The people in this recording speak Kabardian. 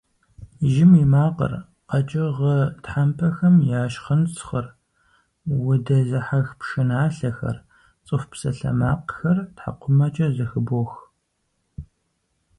Жьым и макъыр, къэкӀыгъэ тхьэмпэхэм я щхъынцхъыр, удэзыхьэх пшыналъэхэр, цӀыху псалъэмакъхэр тхьэкӀумэкӀэ зэхыбох.